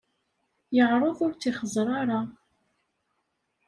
Yeɛreḍ ur tt-ixeẓẓer ara.